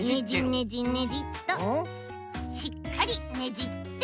ねじねじっとしっかりねじって。